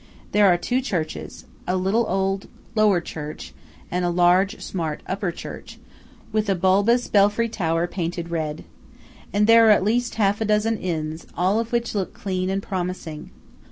There are two churches–a little old lower church, and a large, smart upper church, with a bulbous belfry tower painted red. And there are at least half a dozen inns, all of which look clean and promising.